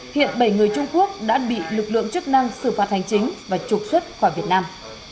hiện bảy người trung quốc đã bị lực lượng chức năng xử phạt hành chính và trục xuất khỏi việt nam